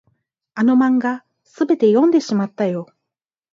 あの漫画、すべて読んでしまったよ。